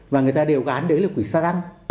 và người ta đều gán đến là quỷ xa tăng